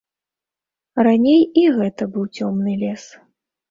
Раней і гэта быў цёмны лес.